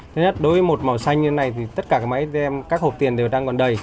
thứ nhất đối với một màu xanh như thế này tất cả các máy atm các hộp tiền đều đang còn đầy